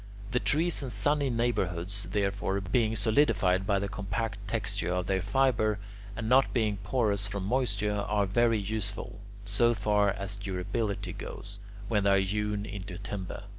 The trees in sunny neighbourhoods, therefore, being solidified by the compact texture of their fibre, and not being porous from moisture, are very useful, so far as durability goes, when they are hewn into timber.